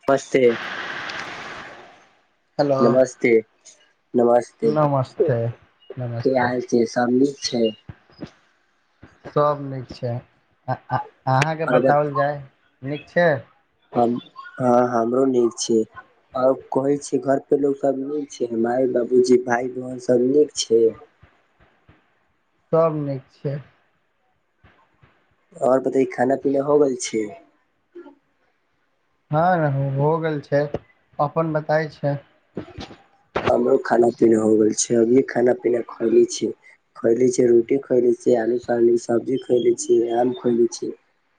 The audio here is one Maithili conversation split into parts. [unintelligible] हेलो नमस्ते नमस्ते नमस्ते की नमस्ते हाल छै, सब नीक छै, सब नीक छै आ आ अहाँके पर्वत बताओल जाय नीक छै। हम हँ हमरो नीक छी आ कहै छै घर पर लोग सब नीक छै माय बाबूजी भाय बहन सब नीक छै सब नीक छै आओर पता खाना पीना हो गेल छै हँ हो गेल छै अपन बताय छै हमरो खाना पीना भ गेल छै अभी खाना पीना खली छी खायलै छी रोटी खाएलै छी आलू सुआबीन सब्जी खायलै छी आम खएले छियै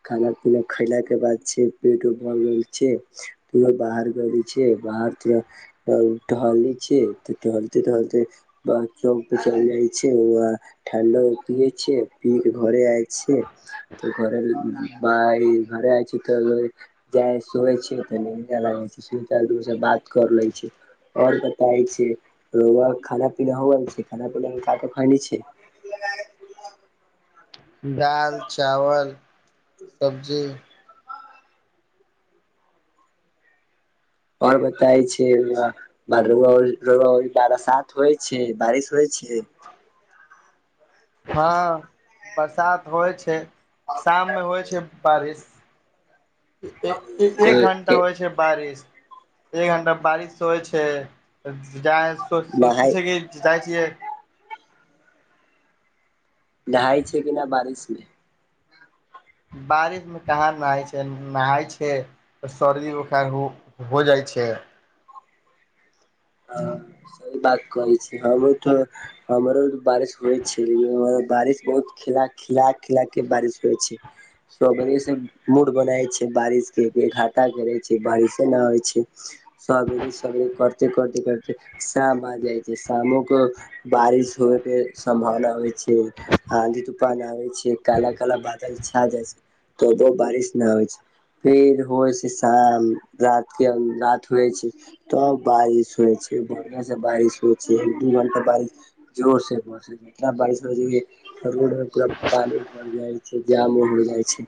खाना पीना खैला के बाद जे छै पेट भरि गेल छै पुरे बाहर करैय छिये बाहर [unintelligible] छिये तऽ टहलते टहलते बस चौक पे चलि जाइ छै ओआ ठण्डा एगो पियै छै पीक घरे आय छै तऽ घरे बइ घर आ छी तऽ [inaudible] [unintelligible] दाल चावल सब्जी आओर बताय छिये न [unintelligible] होइ छै बारिश होइ छै हँ बरसात होइ छै शाम मे होइ छै बारिश एक घंटा होइ छै बारिश एक घण्टा बारिश होइ छै जा सोचै नहाय छै कि जाइ छियै नहााय छै कि नऽ बारिश मे बारिश मे कहाँ नहाय छै नहाय छै तऽ सर्दी बोखार हो हो जाइ छै हँ सहि बात करै छी हमहु तो हमरो ओर बारिश होइ छै लेकिन हपरा ओर बारिश बहुत खिल खिला केँ बारिश होइ छै सबेरे से मूड बनाै छै बारिश केँ घाटा करे छै बारिशे नऽ होइ छै सगरे सगरे करते करते करते शामा आ जाई छै शामो कऽ बारिश होके सम्भावना होइ छै आँधी तूफान आबै छै काल काल बादल छा जाइ छै तबो बारिश नऽ होइ छै फेर होइ छै शाम रातिके रात होइ छै तब बारिश होइ छै बढ़िया से बारिश होइ छै एक दु घंटा बारिश जोर से होइ छै इतना बारिश होइ छै जे रोड मे पूरा पानी भर जाइ छै जामो हो जाइ छै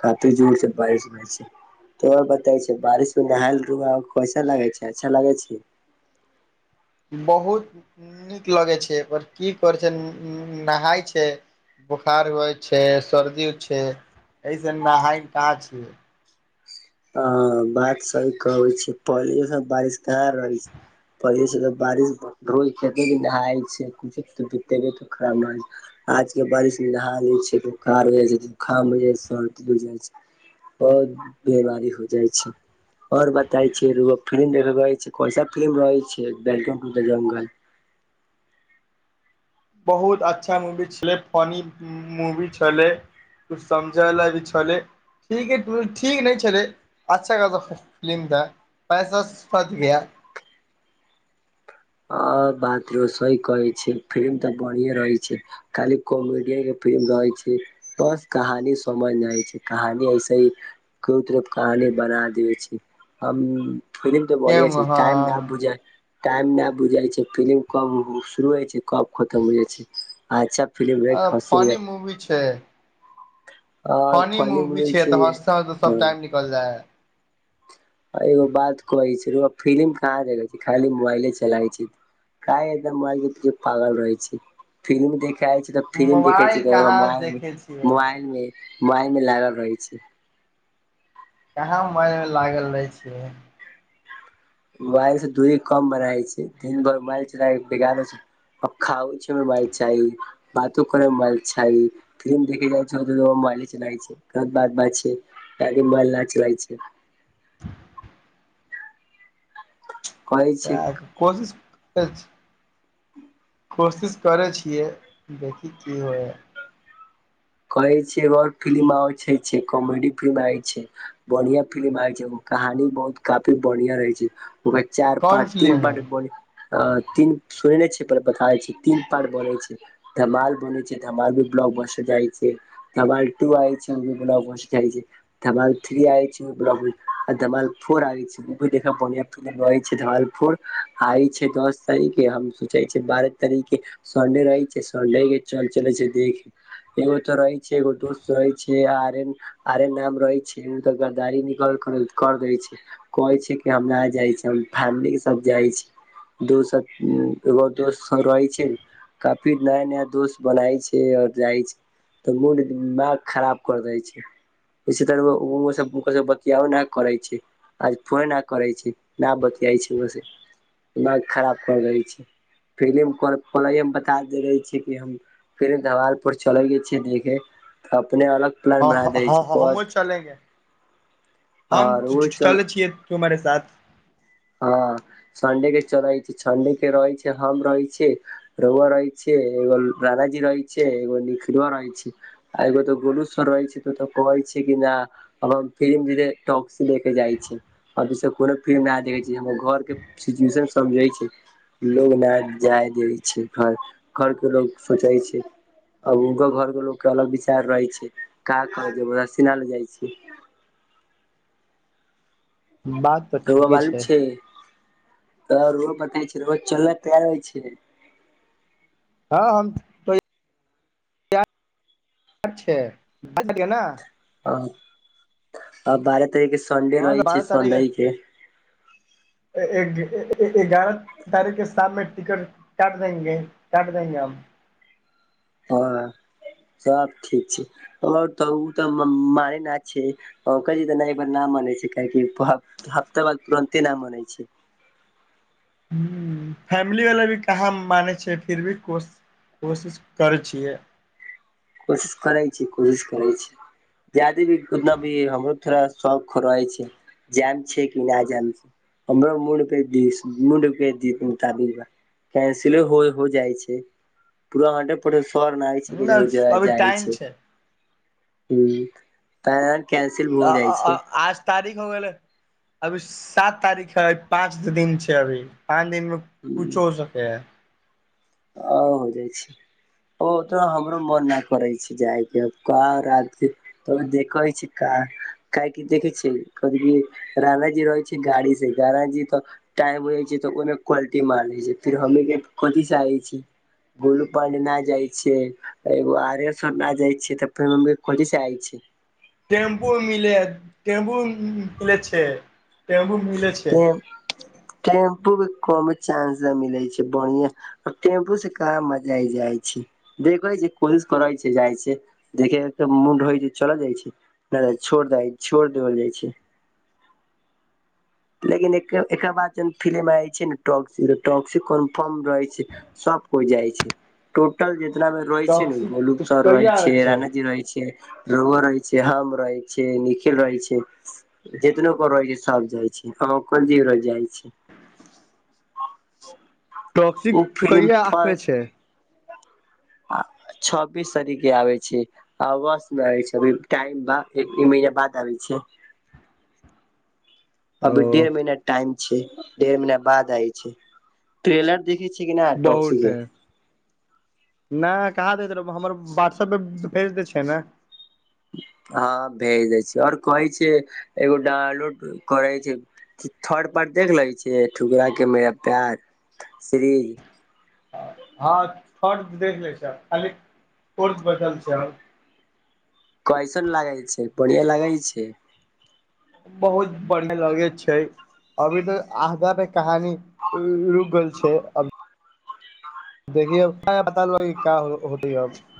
कते जोड़ से बारिश होइ छै तो आओर बताबे घिये बारिश मे नहाय [unintelligible] कैसन लगैय छै अच्छा लगैय छै बहुत नीक लगैए छै पर की करै छै नहाय छै बोखार होइ छै सर्दी छै एहिस नहाय कहाँ छियै हँ बात सही कहै छै पहिले सब बारिश कह रहै पहिले सँ तऽ [unintelligible] आजके बारिशमे नहा लैय छै बोखार हो जाइ छै जुकाम हो जाइ छै सर्दी हो जाइ छै बहुत बीमारी हो जाइ छै आओर बताई छै [unintelligible] बहुत अच्छा मूवी छलै फनी मूवी छलै कुछ समझै लाइग छलै ठीक ठीक नहि छलै अच्छा खासा फिलिम दए पैसा सध गया हँ बात यो सही कहै छी फिल्म तऽ बढ़िया रहै छै खाली कमेडियन केँ फिलिम रहै छै बस कहानी समझ नइ आबैय छै कहानी ऐसे ही कोनो तरहे कहानी बना देे छी हम फिल्म तऽ क्य बढ़िया छै हँ टाइम नऽ बुझा टाइम नऽ बुझाइ छै फिलिम कब शुरू होइ छै कब खतम हो जाइ छै अच्छा फिलिम रहैय हसी फनी मजाक आ पानी फनी भी मूवी रहै छैै छै तऽ हँसते हँसते सब ह टाइम निकल जाय है एगो बात कहै छी रऊआ फिल्म कहाँ देखे छी खाली मोबाइले चलाबए छी तऽ काहै एकदम मोबाइल के पीछे पागल रहै छी फिल्म देख आएल छी फिल्म देखे छी मोबाइल तऽ रऊआ कहाँ मोबाइल मे देखे छियै मोबाइल मे मोबाइल मे लागल रहै छी कहाँ मोबाइल मे लागल रहै छियै मोबाइल से दूरी कम बनाई छी दिन भर मोबाइल चला बिगारे छी अब खाओ छमय मोबाइल चाही बातो करे म मोबाइल चाही फिल्म देखेइ जाए छै [unintelligible] ओतेदे मोबाइले चलाइ छै [unintelligible] बात बात छै [unintelligible] मोबाइल चलाई छै [inaudible] कहै [unintelligible] छै कएके कोशिश करे छी कोशिश करै छियै देखही की होय है कहै छी एगेओर फिलिम आबै छै छै कॉमेडी फिल्म आबै छै बढ़िया फिल्म आइल छै [unintelligible] कहानी बहुत काफी बढ़िया रहै छै ओकरा चार कोन पार्ट तीन फिलिम है पार्ट म बनए अ तीन सुनने छी पहले बताबै छी तीन पार्ट बनल छै धमाल बनै छै धमाल भी ब्लॉकबस्टर जाइ छै [unintelligible] तें धमाल टू आएल छै ऊभी बलाक्बस्टर धमाल थ्री आइ छै उ [unintelligible] धमाल फोर [inaudible] छै उभी देखब बनिया फिल्म रहे छै धमाल फोर आइ छै दस तारीख हम सोचै छै बारह तारीख के सन्डे रहै छै सन्डे के चल चले छै देखे एगो तऽ रहै छै एगो दोस्त रहै छै आर्यन आर्यन नाम रहै छै उत गद्दारी निकल कर दै छै कहै छै कि हम ना जाइ छी हम फैमिली के साथ जाइ छी दोसर ऊ एगो ओर दोस सब रहै छै न काफी नया नया दोस्त बनाय छै और जाइ छै तऽ मूड दिमाग खराब कर देइ छै इसी तर [unintelligible] बतियाबो ना करै छै आज फोने ना करै छै ना बतियाइ छै उनका से दिमाग खराब कर देइ छै [unintelligible] छै देखे अपने अलग अऽ प्लान बना हँ दै हँ हँ छै हमहुँ चलेंगे हम आओर ओ चल च्चुचलै छियै क्यू मरे साथ हँ संडे के चरैत संडे के रहैत छै हम रहै छिय रोऊआ रहै छिय एगो रानाजी रहै छिय एगो निखिलवा रहै छिय आ एगो तऽ गोलू सर रहै छै तऽ औत कहै छै कि ना अ हम फिल्म जे टक्सी देखे जाइ छी अ दुसर कोनो फिल्म नाह देखे जे हमर घरके सिचुएशन समझै छै लोग नय जाय दै छै घर घर के लोग सोचै छै अब ओ घर के लोग के अलग विचार रहे छै कऽ कर जबरदस्ती ना ले जाइ छै बात तऽ रउआ ठीके मालूम छै [inaudible] अ रोउआ पतै छै रोउआ चले के तयार होै छै हँ हम तैयार [inaudible] अहं बारह तारिखके संन्डे तऽ रहै बारह छै संडे हीके [inaudible] तारीेक के शाममे टिकट काट देंगे काट देंगे हम हँ सब ठीक छै [unintelligible] हफ्ता बाद तुरन्ते ना मनेै छी फैमिली वला भी कहाँ मानै छै फिर भी कोश कोशिश करै छियै कोशिश करै छी कोशिश करै छी जादे भी उतना भी हमरो थोड़ा शौक रहै छै जाम छै कि नहि जयाम छै हमर मूड के द मूड के दि मुताबिक कैंसिलो हो हो जाइ छै पूरा हटे परे सर नाहि ठ ज नहि अभी जाइ टाइम छै हुं तऽ आय कैंसिल हो जाइ छै आज तारीख हो गेलै अभी सात तारीख है पाँच दिन छै अभी पाँच दिन मे कुछो हो सके हे औ हो जाइ छै ओ ओतो हमरो मोन नै करै छै जायके कहां रात के तऽ देखै छै का काहे की देखै छै कह राना जी रहै छै गाड़ी से रानाजी त टाइम रहै छै त ओयमे क्वालिटी मार दै छै फेर हमनी के कथी चाही गुल पर ना जाइ छियै एगो आरे सोना जाय छियै तऽ फेर मम्मी के खोजी से आय छी टेम्पू मिल टेम्पू मिलै छै टेम्पू मिलै छै तें टेम्पू के कम चांस ने मिलै छै बढ़िआ टेम्पू से कहाँ मजा जाइ छै देखै छै कोशिश करै छै जाइ छै देखे एक तऽ मुड होइ छै चला जाइ छै नहि द छोड़ दै छोड़ देबल जाइ छै लेकिन एकर बाद जन फिलि्म आ छै ने टॉक्सी टॉक्सी कन्फर्म रहै छै सब कोइ जाइ छै टोटल जेतना मे रहै छै न टॉक्सी गोलुसर रहै कहिया छै आबै राणा जी रहै छै रौआ रहे छै हम रहे छै निखिल रहे छै जितनो को रहै छै सब जाइ छै हँ कोन जीव रो जाइ छै टॉक्सी ओ फिल्म कहिया आबै छै फर्स्ट छब्बीस तारीक के आबै छै आ बशमे छैभ टाइम एक एक महिना बाद आबै छै ओ अभी डेढ़ महीना टाइम छै डेढ़ महीना बाद आय छै ट्रेलर देखे छै कि नै बहुट है नहि कहाँ दैत रह हमर व्हाटसऐपपर भेज दै छै ने हँ भेज दै छै आओर कहै छिय एगो डलोड करै छै थर पर देख लै छै ठुकरा के मेरा प्यार सिरीज हँ [unintelligible] देख लै छै खाली फोर् बल छै आ कइसन लागै छै बढ़िया लागै छै बहुत बढ़ियां लागै छै अभी तो आगा के कहानी रुकल छै देखियए [unintelligible]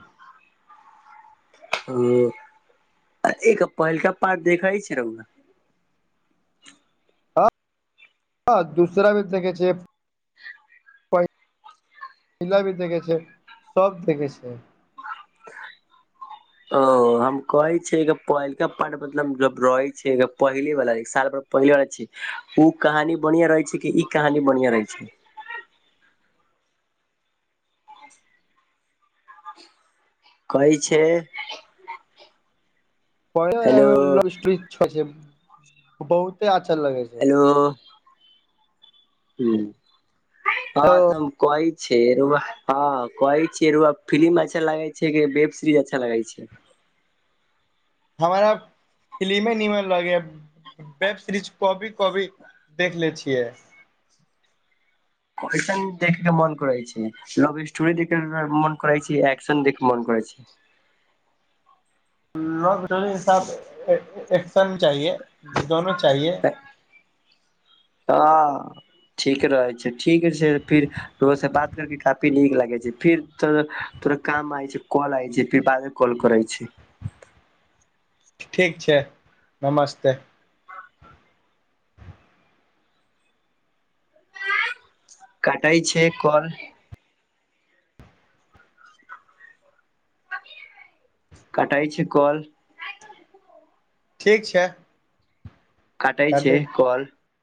हं आ एक पहिलका पाट देखइ छै रौआ हँ हँ दूसरा भी [unintelligible] छै पहि पहिला भी देखै छै सब देखै छै [inaudible] ओ हम कहे छै जे पहिलका पाट मतलब जब रहे छै पहिले वाला जे साल भर पहिला अछि उ कहानी बढ़िया रहै छै कि ई कहानी बढ़िया रहै छै कहैय छै पढ़े वला हेलो लव स्टोरी छ से बहुते अच्छा लगे छै तो हुँ अहाँ तऽ हम कहै छै [unintelligible] कहै छिये [unintelligible] फिलिम अच्छा लागैय छै की वेब सीरीज अच्छा लागैय छै हमरा फिलिमे ह निमन लगैय वेब सीरीज कभी कभी देख लैय छियै कैसन देखै केँ मन करै छै लभ स्टोरी देख मे [unintelligible] मन कर छै एक्शन देख मन कर छै लव स्टोरी कँ साथ एकशन चाहिए दनो चाहिए छै हँ ठीक रहै छै ठीक छै फिर ककरो से बात करके काफी नीक लागे छै फिर तो थोरा काम आय छै कॉल आय छै फिर बाद मे कॉल करै छी ठीक छै नमस्ते काटैय छै कॉल काटैय छै कॉल ठीक छै कटाइ छै काटि कॉल